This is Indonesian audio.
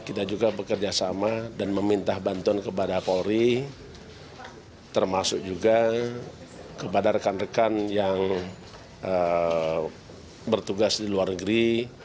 kita juga bekerja sama dan meminta bantuan kepada polri termasuk juga kepada rekan rekan yang bertugas di luar negeri